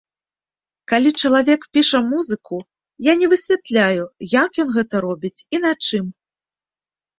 Калі чалавек піша музыку, я не высвятляю, як ён гэта робіць і на чым.